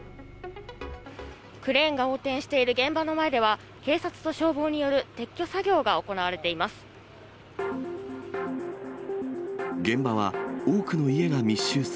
クレーンが横転している現場の前では、警察と消防による撤去作業が行われています。